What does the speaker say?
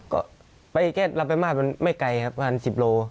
ก็ไปแก้รับไว้มากไม่ไกลครับบ้านสิบโล